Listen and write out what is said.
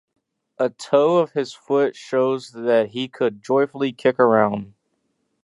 A toe of his foot shows that he could joyfully kick around.